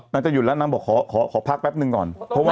จะหยุดแล้วนางบอกขอพักแป๊บนึงก่อน